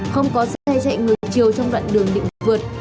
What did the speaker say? không có xe chạy ngược chiều trong đoạn đường định vượt